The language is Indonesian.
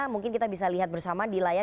mungkin kita bisa lihat bersama di layar